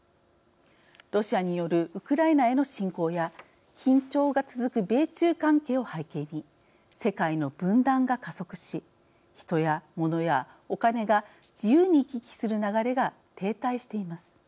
ロシアによるウクライナへの侵攻や緊張が続く米中関係を背景に世界の分断が加速しヒトやモノやおカネが自由に行き来する流れが停滞しています。